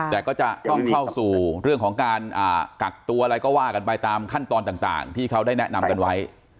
แต่ก็จะต้องเข้าสู่เรื่องของการกักตัวอะไรก็ว่ากันไปตามขั้นตอนต่างที่เขาได้แนะนำกันไว้